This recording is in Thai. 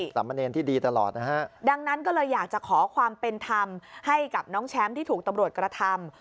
ใช่ดังนั้นก็เลยอยากจะขอความเป็นธรรมให้กับน้องแชมป์ที่ถูกตำรวจกระทำ